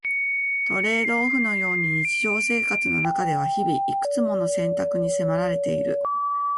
トレードオフのように日常生活の中では日々、いくつもの選択に迫られている。